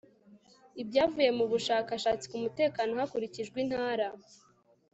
ibyavuye mu bushakashatsi k umutekano hakurikijwe intara